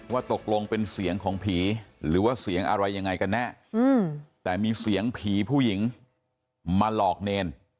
ว่าตกลงเป็นเสียงของผีหรือว่าเสียงอะไรยังไงกันแน่แต่มีเสียงผีผู้หญิงมาหลอกเนร